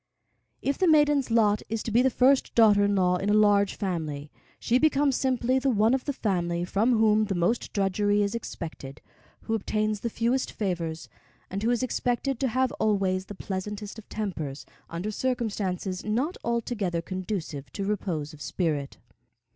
If the maiden's lot is to be the first daughter in law in a large family, she becomes simply the one of the family from whom the most drudgery is expected, who obtains the fewest favors, and who is expected to have always the pleasantest of tempers under circumstances not altogether conducive to repose of spirit.